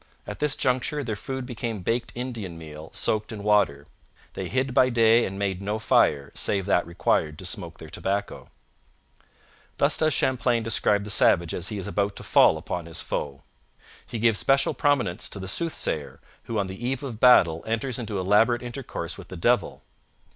At this juncture their food became baked Indian meal soaked in water. They hid by day and made no fire, save that required to smoke their tobacco. Thus does Champlain describe the savage as he is about to fall upon his foe. He gives special prominence to the soothsayer, who on the eve of battle enters into elaborate intercourse with the devil.